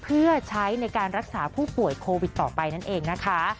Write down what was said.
เพื่อใช้ในการรักษาผู้ป่วยโควิดต่อไปนั่นเองนะคะ